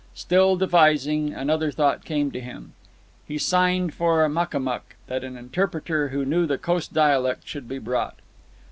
Still devising, another thought came to him. He signed for Makamuk, and that an interpreter who knew the coast dialect should be brought.